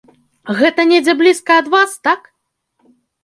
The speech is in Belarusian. Гэта недзе блізка ад вас, так?